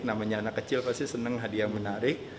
namanya anak kecil pasti senang hadiah menarik